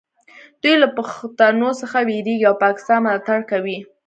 دوی له پښتنو څخه ویریږي او پاکستان ملاتړ کوي